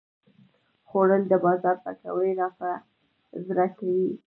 خوړل د بازار پکوړې راپه زړه کوي